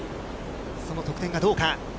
その得点がどうか。